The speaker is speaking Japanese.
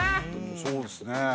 そうですね。